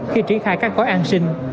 khi triển khai các gói an sinh